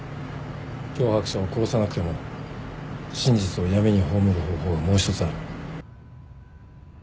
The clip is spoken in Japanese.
脅迫者を殺さなくても真実を闇に葬る方法がもう一つある。